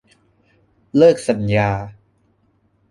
เลิกสัญญา